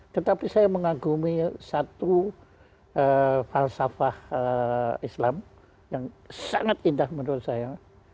tetapi saya mengagumi satu falsafah islam yang sangat indah menurut saya